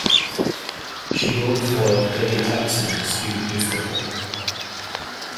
She wrote for "The Daily Texan" student newspaper.